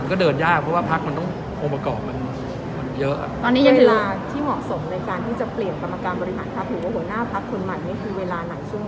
เวลาที่เหมาะสมในการที่จะเปลี่ยนกรรมการบริหารพักษณ์หรือหัวหน้าพักษณ์คนหม่านนี้คือเวลาไหนช่วง